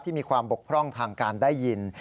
มีความบกพร่องทางการได้ยิน